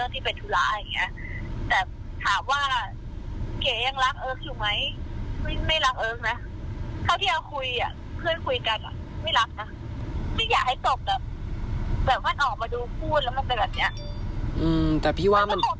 แต่พี่ว่ามัน